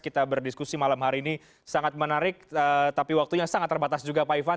kita berdiskusi malam hari ini sangat menarik tapi waktunya sangat terbatas juga pak ivan